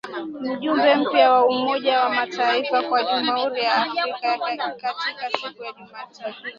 Mjumbe mpya wa Umoja wa mataifa kwa Jamhuri ya Afrika ya kati siku ya Jumatano